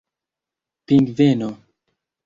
pingveno